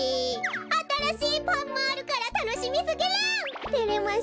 あたらしいパンもあるからたのしみすぎる！